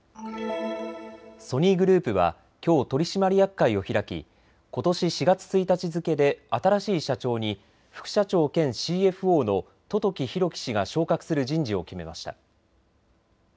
ソニーグループはきょう取締役会を開き、ことし４月１日付けで新しい社長に副社長兼ＣＦＯの十時裕樹氏が昇格する人事を決めました。